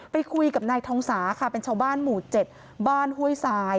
ไปคุยกับนายทองสาค่ะเป็นชาวบ้านหมู่๗บ้านห้วยทราย